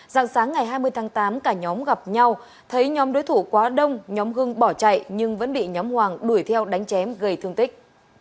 dạng sáng ngày hai mươi tháng tám cả nhóm gặp nhau thấy nhóm đối thủ quá đông nhóm hưng bỏ chạy nhưng vẫn bị nhóm hoàng đuổi theo đánh chém gây thương tích